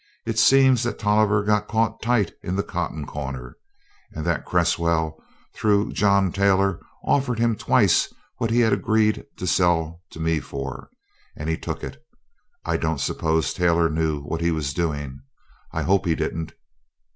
It seems that Tolliver got caught tight in the cotton corner, and that Cresswell, through John Taylor, offered him twice what he had agreed to sell to me for, and he took it. I don't suppose Taylor knew what he was doing; I hope he didn't.